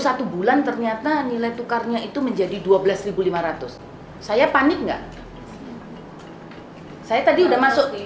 satu bulan ternyata nilai tukarnya itu menjadi dua belas lima ratus saya panik enggak saya tadi udah masuk di